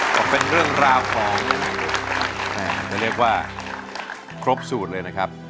ก็เป็นเรื่องราวของจะเรียกว่าครบสูตรเลยนะครับ